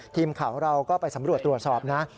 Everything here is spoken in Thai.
ทีมข่าวเราก็ไปสำรวจตรวจสอบนะ